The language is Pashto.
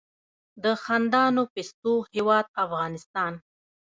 د خندانو پستو هیواد افغانستان.